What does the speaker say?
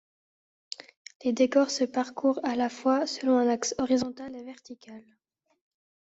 Les décors se parcourent à la fois selon un axe horizontal et vertical.